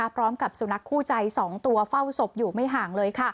พร้อมกับสุนัขคู่ใจ๒ตัวเฝ้าศพอยู่ไม่ห่างเลย